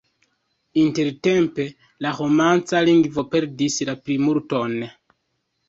Intertempe la romanĉa lingvo perdis la plimulton.